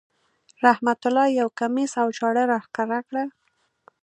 رحمت الله یو کمیس او چاړه را وښکاره کړه.